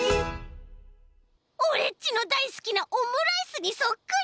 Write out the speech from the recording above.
オレっちのだいすきなオムライスにそっくり！